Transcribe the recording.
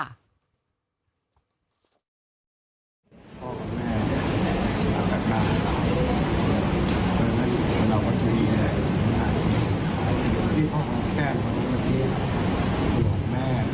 อยากจะบอกเวลาให้ช่วยกับพ่อมีอะไรเกิดขึ้น